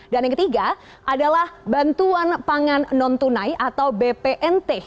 dan yang ketiga adalah bantuan pangan non tunai atau bpnt